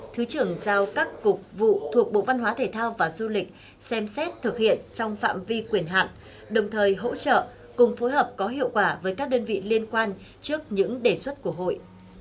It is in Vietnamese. thứ trưởng giao các cục vụ thuộc bộ văn hóa thể thao và du lịch xem xét thực hiện trong phạm vi quyền hạn đồng thời hỗ trợ cùng phối hợp có hiệu quả với các đơn vị liên quan trước những đề xuất của hội